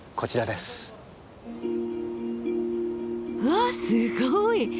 わすごい！